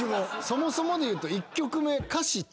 そもそもでいうと１曲目。